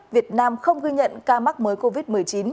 việt nam không ghi nhận ca mắc mới covid một mươi chín